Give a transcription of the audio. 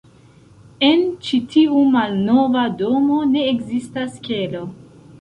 En ĉi tiu malnova domo, ne ekzistas kelo.